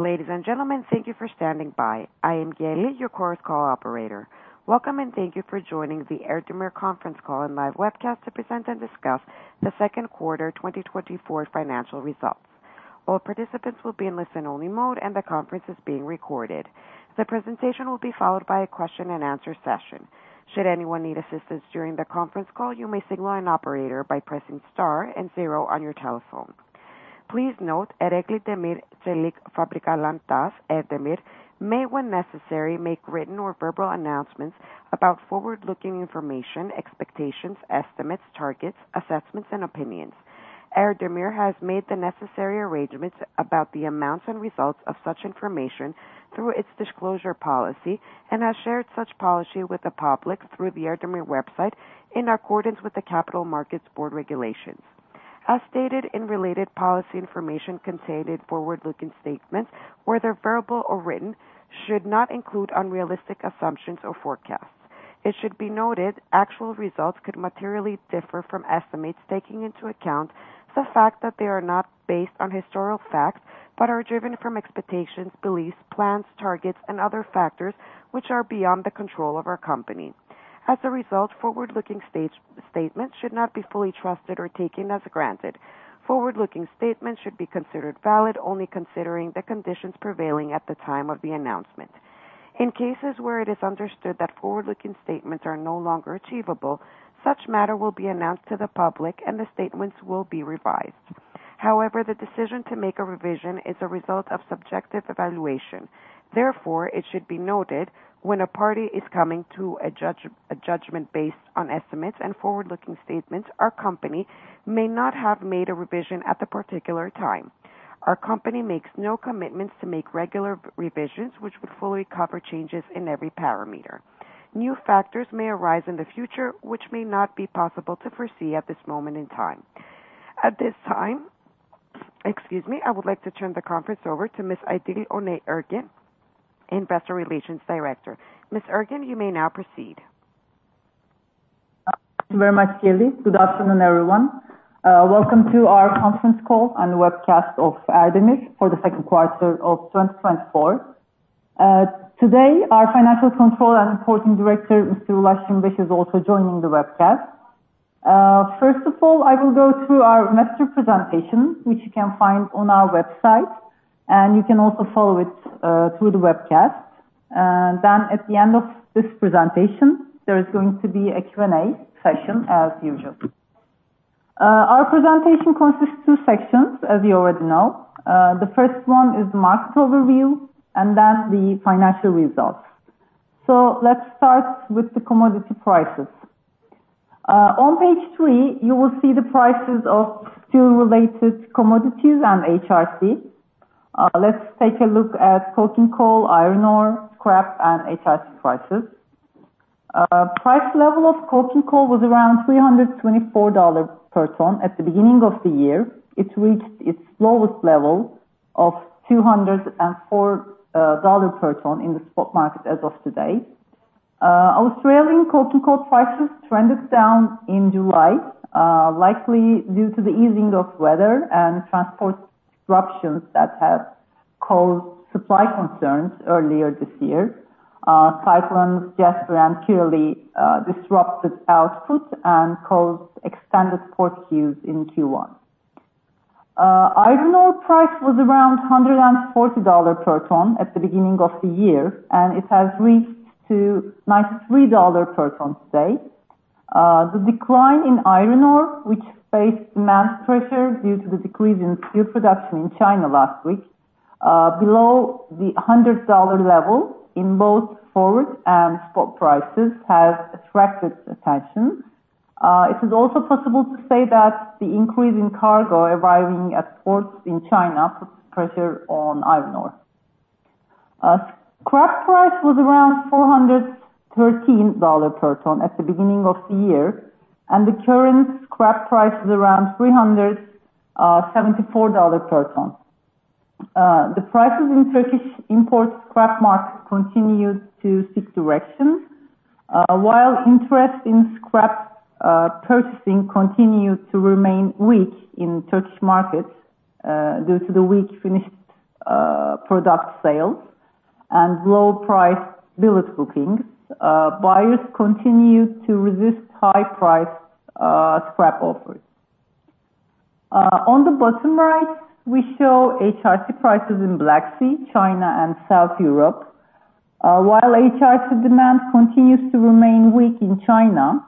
Ladies and gentlemen, thank you for standing by. I am Kelly, your Chorus Call operator. Welcome, and thank you for joining the Erdemir conference call and live webcast to present and discuss the second quarter twenty twenty-four financial results. All participants will be in listen-only mode, and the conference is being recorded. The presentation will be followed by a question-and-answer session. Should anyone need assistance during the conference call, you may signal an operator by pressing star and zero on your telephone. Please note, Ereğli Demir ve Çelik Fabrikaları T.A.Ş., Erdemir, may, when necessary, make written or verbal announcements about forward-looking information, expectations, estimates, targets, assessments, and opinions. Erdemir has made the necessary arrangements about the amounts and results of such information through its disclosure policy and has shared such policy with the public through the Erdemir website in accordance with the Capital Markets Board regulations. As stated in related policy information, contained forward-looking statements, whether verbal or written, should not include unrealistic assumptions or forecasts. It should be noted actual results could materially differ from estimates, taking into account the fact that they are not based on historical facts, but are driven from expectations, beliefs, plans, targets, and other factors which are beyond the control of our company. As a result, forward-looking statements should not be fully trusted or taken as granted. Forward-looking statements should be considered valid only considering the conditions prevailing at the time of the announcement. In cases where it is understood that forward-looking statements are no longer achievable, such matter will be announced to the public, and the statements will be revised. However, the decision to make a revision is a result of subjective evaluation. Therefore, it should be noted when a party is coming to a judgment based on estimates and forward-looking statements, our company may not have made a revision at the particular time. Our company makes no commitments to make regular revisions, which would fully cover changes in every parameter. New factors may arise in the future, which may not be possible to foresee at this moment in time. At this time, excuse me, I would like to turn the conference over to Ms. İdil Önay Ergin, Investor Relations Director. Ms. Ergin, you may now proceed. Thank you very much, Kelly. Good afternoon, everyone, welcome to our conference call and webcast of Erdemir for the second quarter of twenty twenty-four. Today, our Financial Controller and Reporting Director, Mr. Ulaş Şimşek, is also joining the webcast. First of all, I will go through our master presentation, which you can find on our website, and you can also follow it through the webcast, and then at the end of this presentation, there is going to be a Q&A session as usual. Our presentation consists two sections, as you already know. The first one is market overview, and then the financial results, so let's start with the commodity prices. On page three, you will see the prices of two related commodities and HRC. Let's take a look at coking coal, iron ore, scrap, and HRC prices. Price level of coking coal was around $324 per ton at the beginning of the year. It reached its lowest level of $204 dollar per ton in the spot market as of today. Australian coking coal prices trended down in July, likely due to the easing of weather and transport disruptions that have caused supply concerns earlier this year. Cyclones Jasper and Kirrily disrupted output and caused extended port queues in Q1. Iron ore price was around $140 dollar per ton at the beginning of the year, and it has reached to $93 dollar per ton today. The decline in iron ore, which faced demand pressure due to the decrease in steel production in China last week below the $100 dollar level in both forward and spot prices, has attracted attention. It is also possible to say that the increase in cargo arriving at ports in China puts pressure on iron ore. Scrap price was around $413 per ton at the beginning of the year, and the current scrap price is around $374 per ton. The prices in Turkish import scrap market continued to seek direction. While interest in scrap purchasing continued to remain weak in Turkish markets due to the weak finished product sales and low price billet bookings, buyers continued to resist high price scrap offers. On the bottom right, we show HRC prices in Black Sea, China, and South Europe. While HRC demand continues to remain weak in China,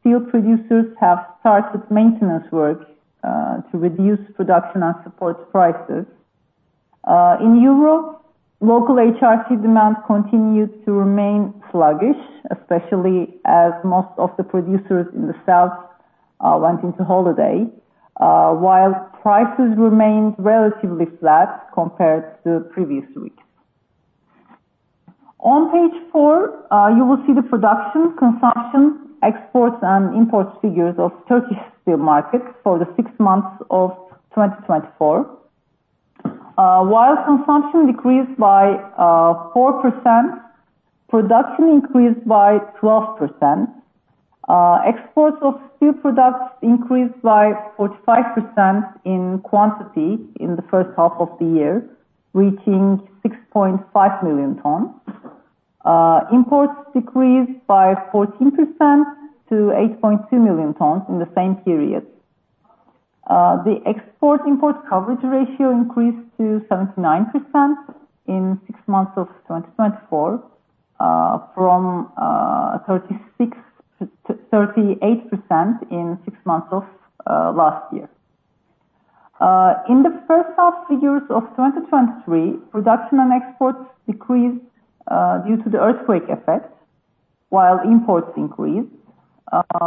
steel producers have started maintenance work to reduce production and support prices. In Europe, local HRC demand continued to remain sluggish, especially as most of the producers in the South went into holiday while prices remained relatively flat compared to previous weeks. On page four, you will see the production, consumption, exports, and import figures of Turkish steel markets for the six months of 2024. While consumption decreased by 4%, production increased by 12%. Exports of steel products increased by 45% in quantity in the first half of the year, reaching 6.5 million tons. Imports decreased by 14% to 8.2 million tons in the same period. The export-import coverage ratio increased to 79% in six months of 2024 from 36% to 38% in six months of last year. In the first half figures of 2023, production and exports decreased due to the earthquake effect, while imports increased.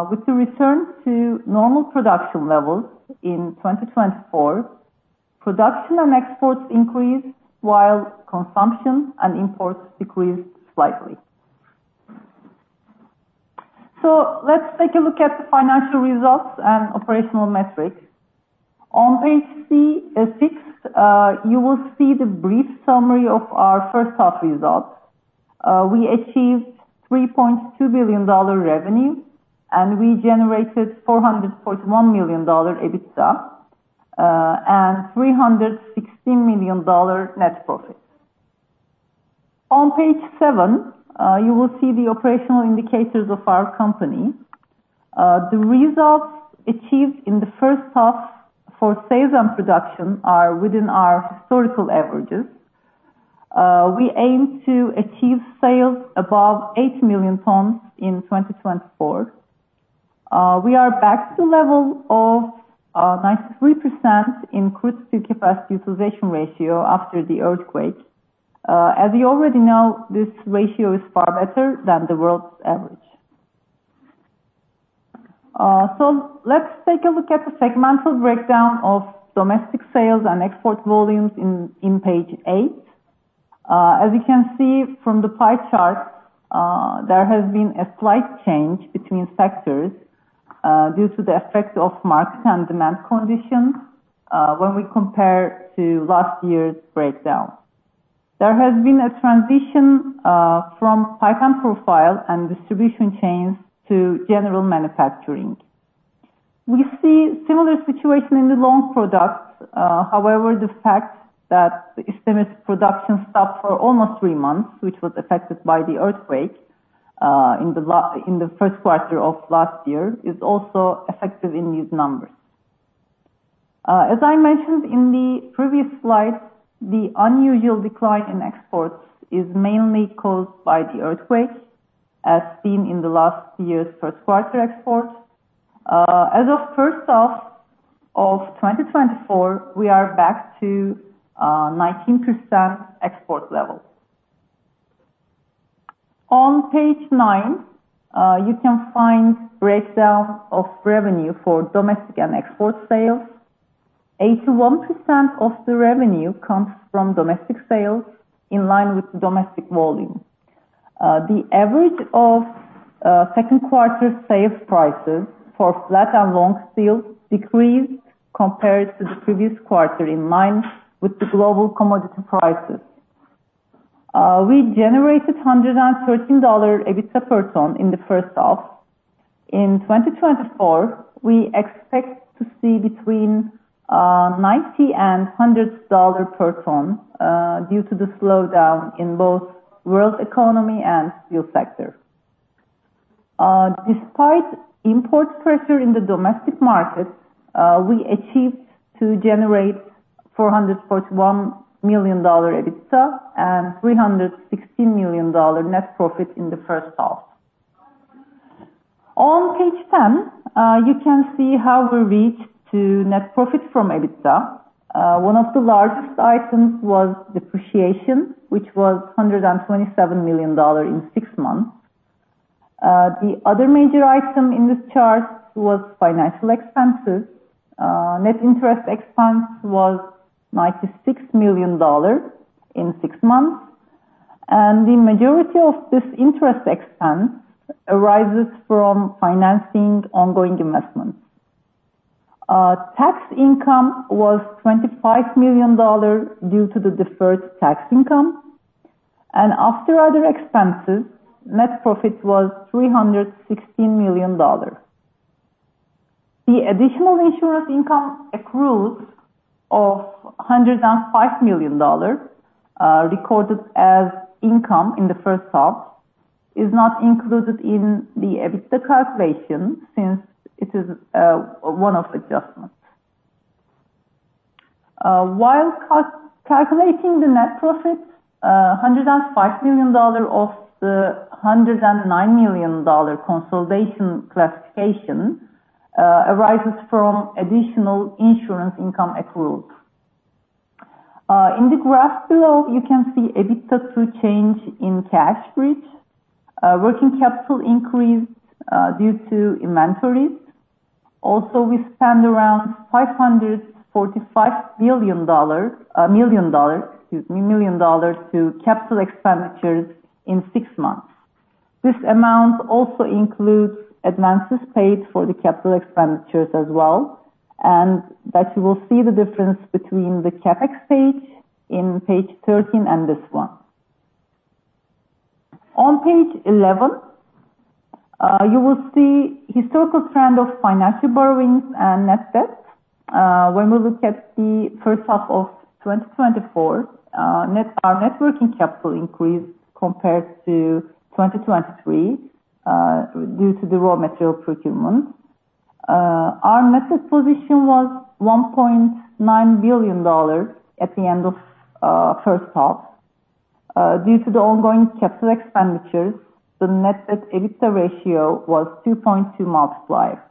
With the return to normal production levels in 2024, production and exports increased, while consumption and imports decreased slightly. Let's take a look at the financial results and operational metrics. On page 36, you will see the brief summary of our first half results. We achieved $3.2 billion revenue, and we generated $441 million EBITDA, and $316 million net profit. On page 7, you will see the operational indicators of our company. The results achieved in the first half for sales and production are within our historical averages. We aim to achieve sales above 8 million tons in 2024. We are back to the level of 93% in crude steel capacity utilization ratio after the earthquake. As you already know, this ratio is far better than the world's average, so let's take a look at the segmental breakdown of domestic sales and export volumes in page eight. As you can see from the pie chart, there has been a slight change between sectors due to the effect of market and demand conditions when we compare to last year's breakdown. There has been a transition from pipe and profile and distribution chains to general manufacturing. We see similar situation in the long products. However, the fact that the Isdemir production stopped for almost three months, which was affected by the earthquake, in the first quarter of last year, is also effective in these numbers. As I mentioned in the previous slide, the unusual decline in exports is mainly caused by the earthquake, as seen in the last year's first quarter exports. As of first half of 2024, we are back to 19% export level. On page nine, you can find breakdown of revenue for domestic and export sales. 81% of the revenue comes from domestic sales in line with the domestic volume. The average of second quarter sales prices for flat and long steel decreased compared to the previous quarter, in line with the global commodity prices. We generated $113 EBITDA per ton in the first half. In 2024, we expect to see between $90 and $100 per ton due to the slowdown in both world economy and steel sector. Despite import pressure in the domestic market, we achieved to generate $441 million EBITDA and $316 million net profit in the first half. On page 10, you can see how we reached to net profit from EBITDA. One of the largest items was depreciation, which was $127 million in six months. The other major item in this chart was financial expenses. Net interest expense was $96 million in six months, and the majority of this interest expense arises from financing ongoing investments. Tax income was $25 million due to the deferred tax income, and after other expenses, net profit was $316 million. The additional insurance income accrues of $105 million, recorded as income in the first half, is not included in the EBITDA calculation since it is one of adjustments. While calculating the net profit, $105 million of the $109 million consolidation classification arises from additional insurance income accruals. In the graph below, you can see EBITDA through change in cash bridge. Working capital increased due to inventories. Also, we spend around $545 million dollars, excuse me, to capital expenditures in six months. This amount also includes advances paid for the capital expenditures as well, and that you will see the difference between the CapEx page in page thirteen and this one. On page eleven, you will see historical trend of financial borrowings and net debt. When we look at the first half of 2024, our net working capital increased compared to 2023 due to the raw material procurement. Our net debt position was $1.9 billion at the end of first half. Due to the ongoing capital expenditures, the net debt EBITDA ratio was 2.2 multiplier.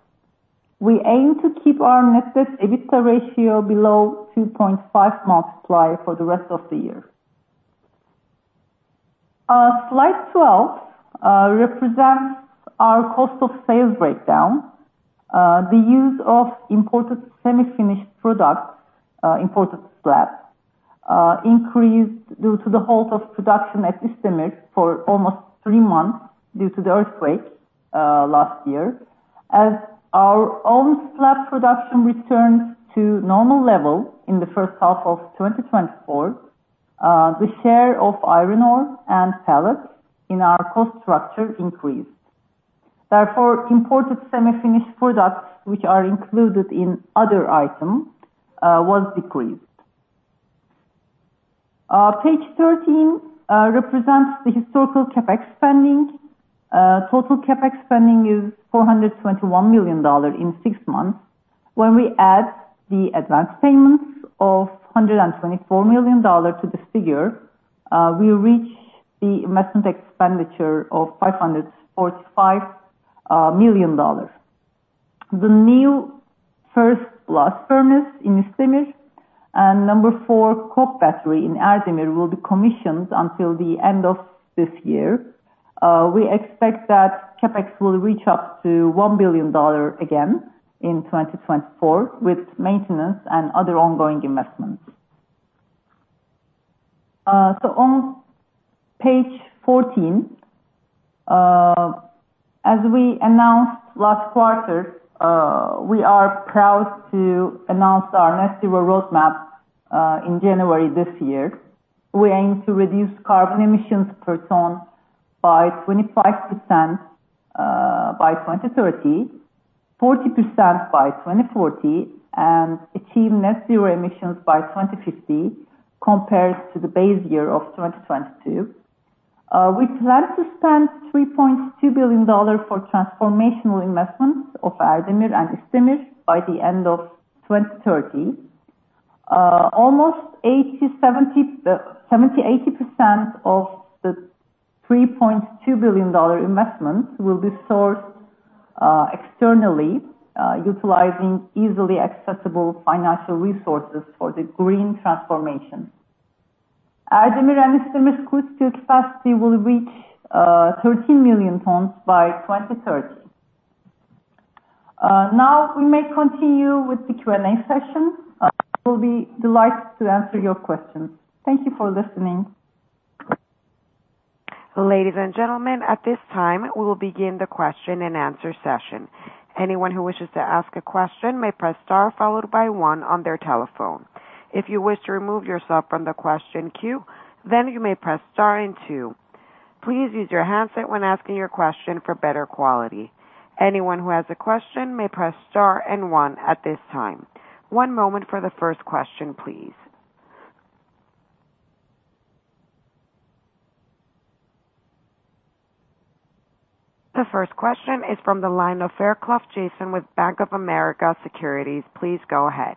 We aim to keep our net debt EBITDA ratio below 2.5 multiplier for the rest of the year. Slide twelve represents our cost of sales breakdown. The use of imported semi-finished products, imported slab, increased due to the halt of production at Isdemir for almost three months due to the earthquake last year. As our own slab production returns to normal level in the first half of 2024, the share of iron ore and pellets in our cost structure increased. Therefore, imported semi-finished products, which are included in other items, was decreased. Page 13 represents the historical CapEx spending. Total CapEx spending is $421 million in six months. When we add the advanced payments of $124 million to this figure, we reach the investment expenditure of $545 million. The new first blast furnace in Isdemir and number 4 coke battery in Erdemir will be commissioned until the end of this year. We expect that CapEx will reach up to $1 billion again in 2024, with maintenance and other ongoing investments. So on page fourteen, as we announced last quarter, we are proud to announce our net zero roadmap in January this year. We aim to reduce carbon emissions per ton by 25% by 2030, 40% by 2040, and achieve net zero emissions by 2050, compared to the base year of 2022. We plan to spend $3.2 billion for transformational investments of Erdemir and Isdemir by the end of 2030. Almost 70%-80% of the $3.2 billion investment will be sourced externally, utilizing easily accessible financial resources for the green transformation. Erdemir and Isdemir steel capacity will reach 13 million tons by 2030. Now we may continue with the Q&A session. We'll be delighted to answer your questions. Thank you for listening. Ladies and gentlemen, at this time, we will begin the question and answer session. Anyone who wishes to ask a question may press star, followed by one on their telephone. If you wish to remove yourself from the question queue, then you may press star and two. Please use your handset when asking your question for better quality. Anyone who has a question may press star and one at this time. One moment for the first question, please. The first question is from the line of Jason Fairclough with Bank of America Securities. Please go ahead.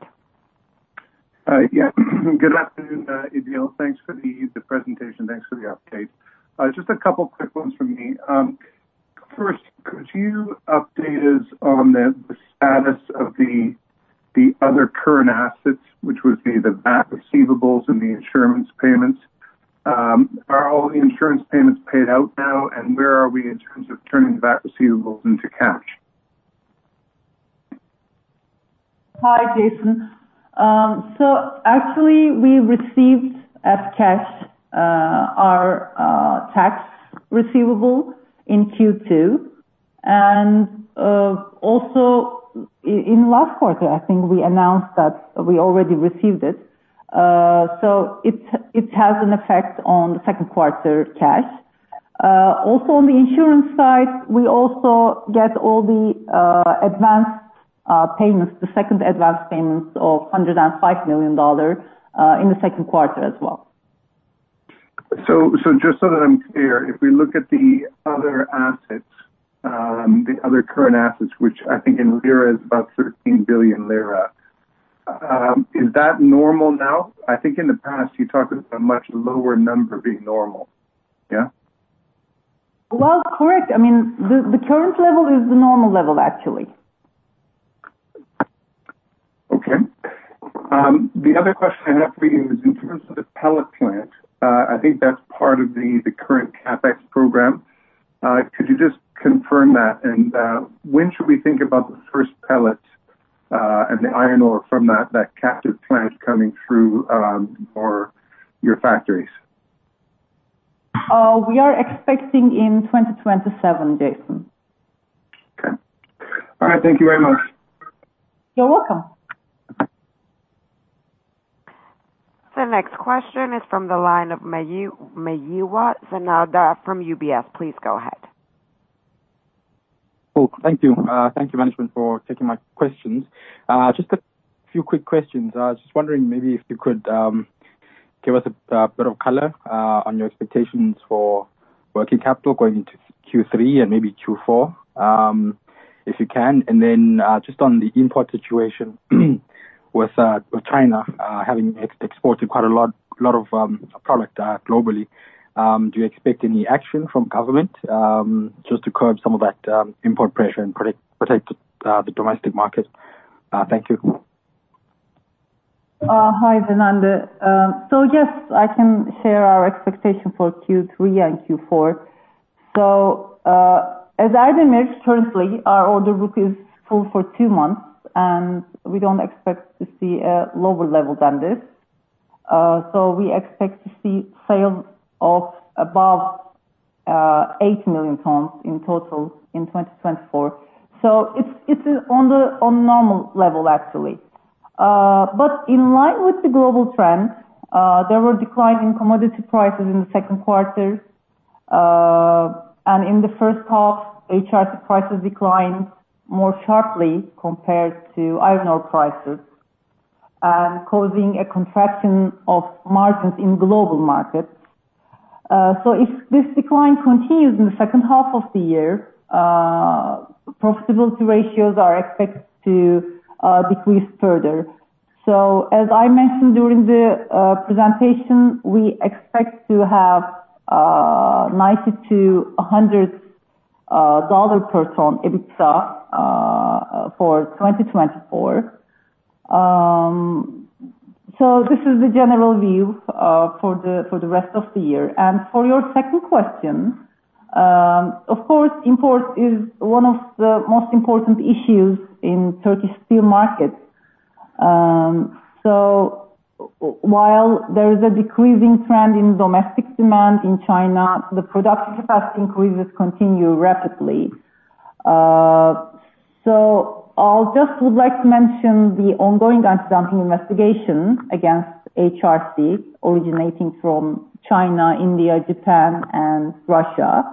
Yeah. Good afternoon, İdil. Thanks for the presentation. Thanks for the update. Just a couple quick ones from me. First, could you update us on the status of the other current assets, which would be the VAT receivables and the insurance payments? Are all the insurance payments paid out now, and where are we in terms of turning VAT receivables into cash? Hi, Jason. So actually, we received as cash our tax receivable in Q2. And also in last quarter, I think we announced that we already received it. So it has an effect on the second quarter cash. Also on the insurance side, we also get all the advanced payments, the second advanced payments of $105 million in the second quarter as well. Just so that I'm clear, if we look at the other assets, the other current assets, which I think in lira is about 13 billion lira, is that normal now? I think in the past you talked about a much lower number being normal. Yeah? Correct. I mean, the current level is the normal level, actually. Okay. The other question I have for you is in terms of the pellet plant. I think that's part of the current CapEx program. Could you just confirm that? And when should we think about the first pellet and the iron ore from that captive plant coming through or your factories? We are expecting in 2027, Jason. All right, thank you very much. You're welcome. The next question is from the line of Zenande Meyiwa from UBS. Please go ahead. Oh, thank you. Thank you, management, for taking my questions. Just a few quick questions. I was just wondering maybe if you could give us a bit of color on your expectations for working capital going into Q3 and maybe Q4, if you can. And then, just on the import situation with China having exported quite a lot of product globally, do you expect any action from government just to curb some of that import pressure and protect the domestic market? Thank you. Hi, Zenanda. So, yes, I can share our expectation for Q3 and Q4. So, as Isdemir, currently, our order book is full for two months, and we don't expect to see a lower level than this. So we expect to see sales of above eight million tons in total in 2024. So it's on the normal level, actually. But in line with the global trend, there were decline in commodity prices in the second quarter. And in the first half, HRC prices declined more sharply compared to iron ore prices, and causing a contraction of margins in global markets. So if this decline continues in the second half of the year, profitability ratios are expected to decrease further. So as I mentioned during the presentation, we expect to have $90-$100 per ton EBITDA for 2024. So this is the general view for the rest of the year. And for your second question, of course, import is one of the most important issues in Turkish steel market. So while there is a decreasing trend in domestic demand in China, the productivity increases continue rapidly. So I'll just would like to mention the ongoing anti-dumping investigation against HRC, originating from China, India, Japan, and Russia.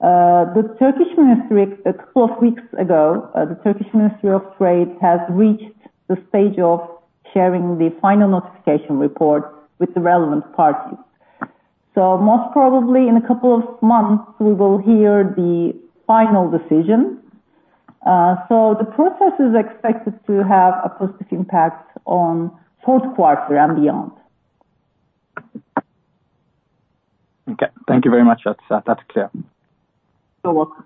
The Turkish Ministry of Trade, a couple of weeks ago, has reached the stage of sharing the final notification report with the relevant parties. So most probably in a couple of months, we will hear the final decision. The process is expected to have a positive impact on fourth quarter and beyond. Okay. Thank you very much. That's, that's clear. You're welcome.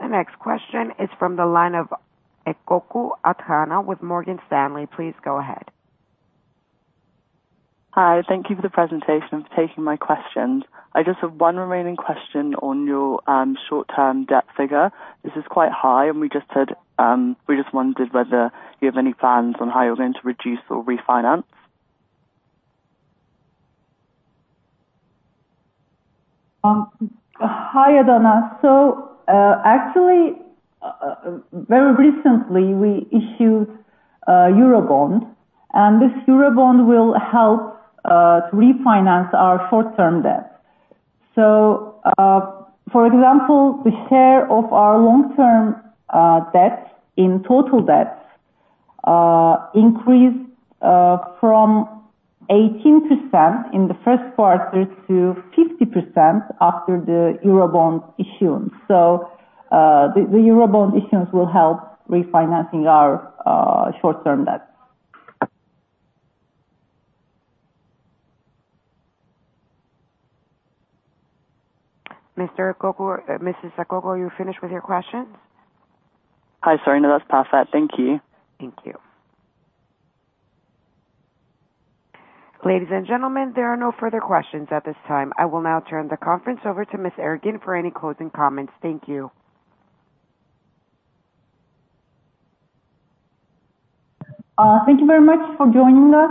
The next question is from the line of Athana Ekoko with Morgan Stanley. Please go ahead. Hi, thank you for the presentation and for taking my questions. I just have one remaining question on your short-term debt figure. This is quite high, and we just had we just wondered whether you have any plans on how you're going to reduce or refinance? Hi, Athana. Actually, very recently, we issued a Eurobond, and this Eurobond will help to refinance our short-term debt. For example, the share of our long-term debt in total debts increased from 18% in the first quarter to 50% after the Eurobond issuance. The Eurobond issuance will help refinancing our short-term debt. Mr. Ekoro, Mrs. Ekoko, are you finished with your questions? Hi, sorry, no, that's perfect. Thank you. Thank you. Ladies and gentlemen, there are no further questions at this time. I will now turn the conference over to Ms. Ergin for any closing comments. Thank you. Thank you very much for joining us.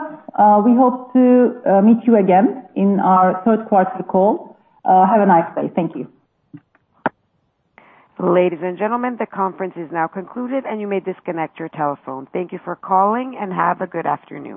We hope to meet you again in our third quarter call. Have a nice day. Thank you. Ladies and gentlemen, the conference is now concluded, and you may disconnect your telephone. Thank you for calling, and have a good afternoon.